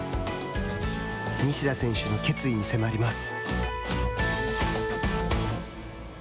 西田選手の決意に迫ります。